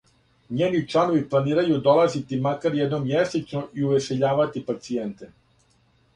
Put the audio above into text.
Њени чланови планирају долазити макар једном мјесечно и увесељавати пацијенте.